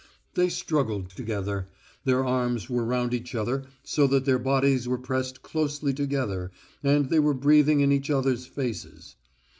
They struggled together; their arms were round each other so that their bodies were pressed closely together and they were breathing in each other's faces.